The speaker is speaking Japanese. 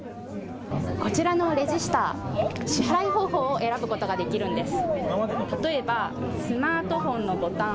こちらのレジスター、支払い方法を選ぶことができるんです。